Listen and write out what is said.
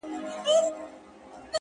له هغه وخته مو خوښي ليدلې غم نه راځي،